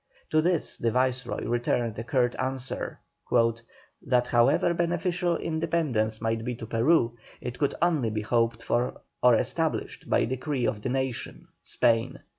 To this the Viceroy returned a curt answer, "That however beneficial independence might be to Peru, it could only be hoped for or established by decree of the nation (Spain)."